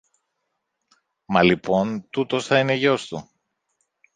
Μα λοιπόν τούτος θα είναι γιος του.